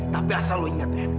tapi asal lo inget ya